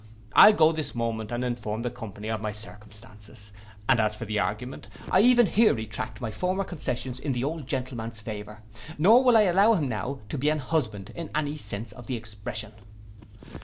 I'll go this moment and inform the company of my circumstances; and as for the argument, I even here retract my former concessions in the old gentleman's favour, nor will I allow him now to be an husband in any sense of the expression.